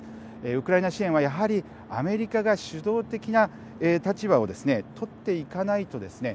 ウクライナ支援は、やはりアメリカが主導的な立場をですね取っていかないとですね